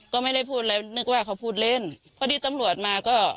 ก็ไม่ได้พูดอะไรนึกว่าเขาพูดเล่นพอดีตำรวจมาก็